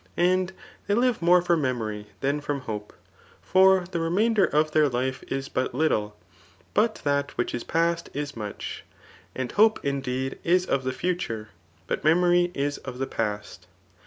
And they live more from memory than from hope ; for the remainder of their life is but little j but that which is past is much. And hope, indeed, is of the future^ but memory is of the past.